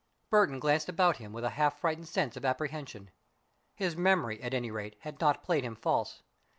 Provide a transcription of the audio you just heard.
Burton glanced around him with a half frightened sense of apprehension. His memory, at any rate, had not played him false.